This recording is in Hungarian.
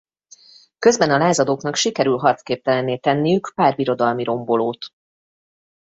Közben a lázadóknak sikerül harcképtelenné tenniük pár birodalmi rombolót.